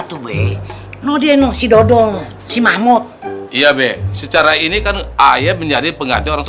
tube no deno sidol si mahmud iya be secara ini kan ayah menjadi pengganti orangtua